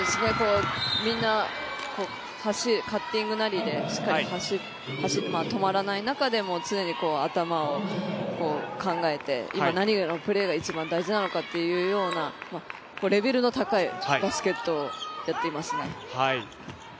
みんなカッティングなりでしっかり走って止まらない中でも常に頭を考えて今、何のプレーが一番大事なのかっていうことを考えるレベルの高いバスケットをやっていますね。